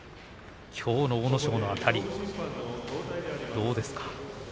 きょうの阿武咲のあたりどうですか。